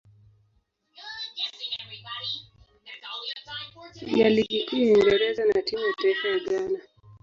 ya Ligi Kuu ya Uingereza na timu ya taifa ya Ghana.